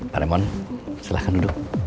pak remon silahkan duduk